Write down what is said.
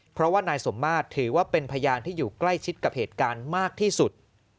เพราะว่านายสมมาตรถือว่าเป็นพยานที่อยู่ใกล้ชิดกับเหตุการณ์มากที่สุด